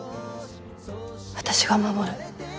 私が守る。